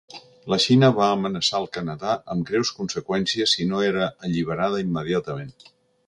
La Xina va amenaçar el Canadà amb ‘greus conseqüències’ si no era alliberada immediatament.